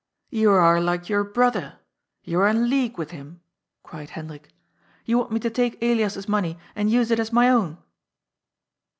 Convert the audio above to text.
" You are like your brother ! You are in league with him!" cried Hendrik. ^'You want me to take Elias's money and use it as my own!